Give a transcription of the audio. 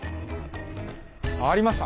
ありました